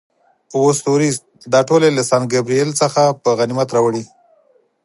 اووه ستوریز، دا ټول یې له سان ګبرېل څخه په غنیمت راوړي.